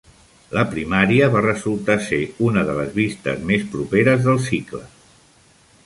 La primària va resultar ser una de les vistes més properes del cicle.